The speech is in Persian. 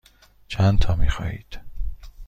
چندتا می خواهید؟